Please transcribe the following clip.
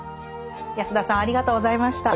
安田さんありがとうございました。